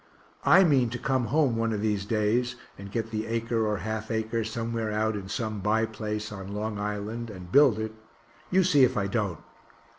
I mean to come home one of these days, and get the acre or half acre somewhere out in some by place on Long Island, and build it you see if I don't.